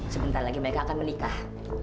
sebentar lagi mereka akan menikah